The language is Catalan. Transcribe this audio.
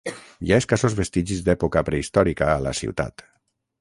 Hi ha escassos vestigis d'època prehistòrica a la ciutat.